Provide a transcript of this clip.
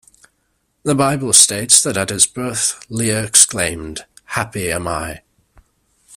The Bible states that at his birth Leah exclaimed, Happy am I!